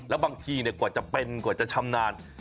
แล้วบางทีกว่าจะเป็นกว่าจะชำนาญ